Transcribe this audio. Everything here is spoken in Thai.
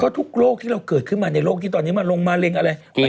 ทุกโรคที่เราเกิดขึ้นมาในโลกที่ตอนนี้มาลงมะเร็งอะไร